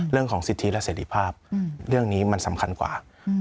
เรื่องของสิทธิและเสร็จภาพเรื่องนี้มันสำคัญกว่า